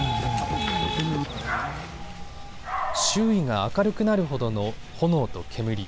周囲が明るくなるほどの炎と煙。